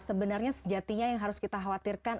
sebenarnya sejatinya yang harus kita khawatirkan